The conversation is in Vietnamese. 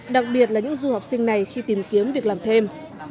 đặc biệt là những du học sinh này khi tìm kiếm việc làm thêm